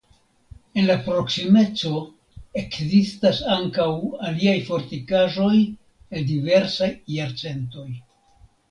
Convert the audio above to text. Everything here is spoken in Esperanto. En la proksimeco ekzistas ankaŭ aliaj fortikaĵoj el diversaj jarcentoj.